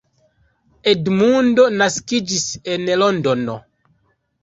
Edmundo naskiĝis en Londono.